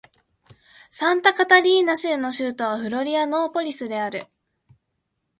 サンタカタリーナ州の州都はフロリアノーポリスである